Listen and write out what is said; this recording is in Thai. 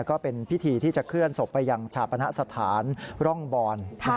ก็เป็นพิธีที่จะเคลื่อนศพไปยังชาปณะสถานร่องบอน